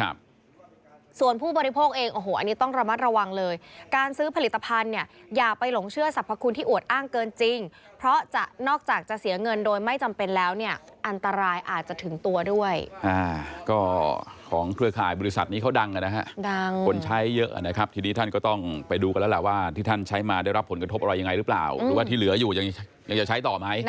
ก็ของเครือข่ายบริษัทนี้เขาดังนะครับคนใช้เยอะนะครับทีนี้ท่านก็ต้องไปดูกันแล้วล่ะว่าที่ท่านใช้มาได้รับผลกระทบอะไรยังไงหรือเปล่าหรือว่าที่เหลืออยู่ยังจะใช้ต่อไหม